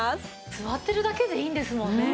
座ってるだけでいいんですもんね。